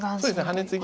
そうですね